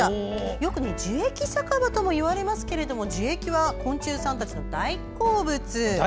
よく、樹液酒場ともいわれますけれども樹液は昆虫さんたちの大好物。